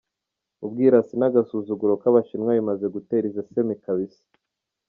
Ubwirasi n’agasuzuguro k’abashinwa bimaze gutera iseseme kabisa.